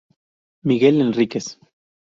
Miguel Enríquez.